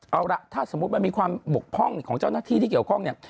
เอาล่ะถ้าสมมุติมันมีความบกพร่องของเจ้าหน้าที่ที่เกี่ยวข้องเนี่ย